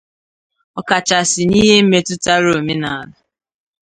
ọkachasị n'ihe metụtara omenala